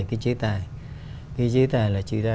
cái chế tài cái chế tài là chúng ta